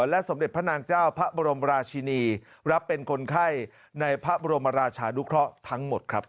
และสมเด็จพระนางเจ้าพระบรมราชินีรับเป็นคนไข้ในพระบรมราชานุเคราะห์ทั้งหมดครับ